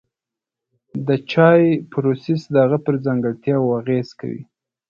د چای پروسس د هغه پر ځانګړتیاوو اغېز کوي.